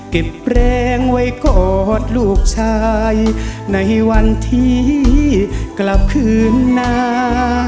เก็บแรงไว้กอดลูกชายในวันที่กลับคืนหน้า